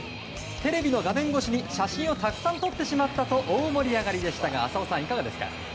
テレビの画面越しに写真をたくさん撮ってしまったと大盛り上がりでしたが浅尾さん、いかがですか？